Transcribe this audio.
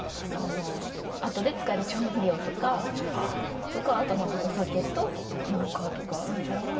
あとで使える調味料とかあと、お酒と何かとか。